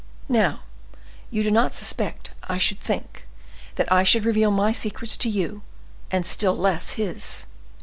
Now, you do not suspect, I should think, that I should reveal my secrets to you, and still less his."